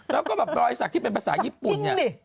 แล้วก็แบบรอยสักที่เป็นภาษาญี่ปุ่นเนี่ย